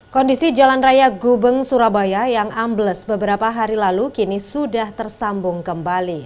kondisi jalan raya gubeng surabaya yang ambles beberapa hari lalu kini sudah tersambung kembali